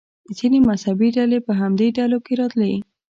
ځینې مذهبي ډلې په همدې ډلو کې راتلې.